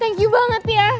thank you banget ya